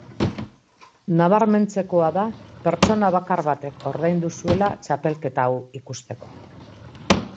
Nabarmentzekoa da pertsona bakar batek ordaindu zuela txapelketa hau ikusteko.